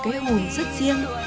cái hồn rất riêng